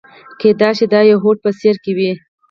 کېدای شي دا د يوه هوډ په څېره کې وي.